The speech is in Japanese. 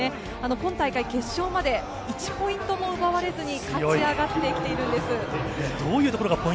今大会、決勝まで１ポイントも奪われずに勝ち上がってきているんです。